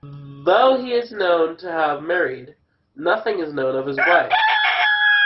Though he is known to have married, nothing is known of his wife.